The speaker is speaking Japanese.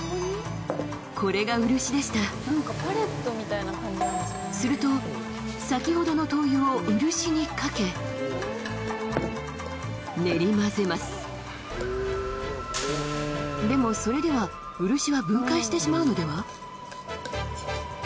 これが漆でしたすると先ほどの灯油を漆にかけ練り混ぜますでもそれでは漆は分解してしまうのでは？